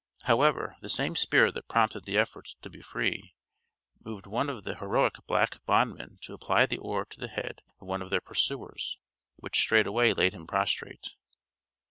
However, the same spirit that prompted the effort to be free, moved one of the heroic black bondmen to apply the oar to the head of one of their pursuers, which straightway laid him prostrate.